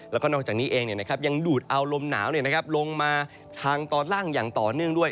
แล้วก็นอกจากนี้เองยังดูดเอาลมหนาวลงมาทางตอนล่างอย่างต่อเนื่องด้วย